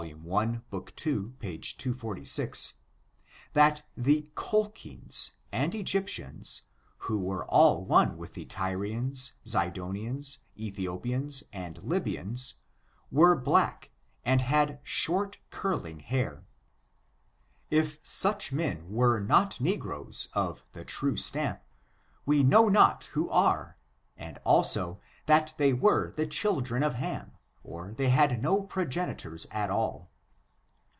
i, book ii, p. 246, that the Colchins and Egyptians, who were all one with the Tyrians, Zidonians, Ethiopians and Lybians, were blacky and had short curling hair. If such men were not negroes of the true stamp, we know not who are, and, also, that they were the children of Ham, or they had no progenitors at all.